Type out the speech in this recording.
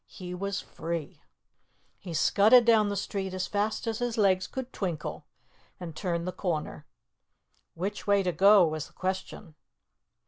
He was free! He scudded down the street as fast as his legs could twinkle, and turned the corner. Which way to go, was the question.